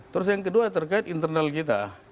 terus yang kedua terkait internal kita